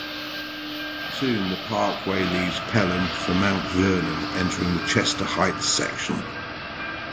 Soon the parkway leaves Pelham for Mount Vernon, entering the Chester Heights section.